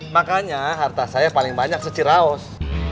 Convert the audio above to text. makanya harta saya paling banyak seciraos